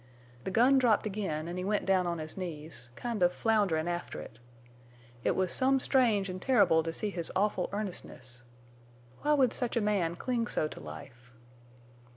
The gun dropped again an' he went down on his knees, kind of flounderin' after it. It was some strange an' terrible to see his awful earnestness. Why would such a man cling so to life?